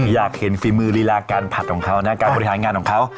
อยากเห็นฝีมือลีลาการผัดของเขานะการบริหารงานของเขา